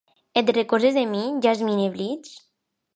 Et recordes de mi, Jasmine Bligh?